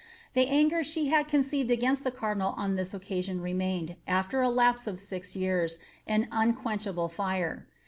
The anger she Lad ' ncfJTrd against the cardinal on iliat occasion remained, after a lapso '! fix Tears, an unquenchable lire.